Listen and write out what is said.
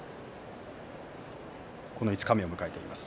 この五日目を迎えています。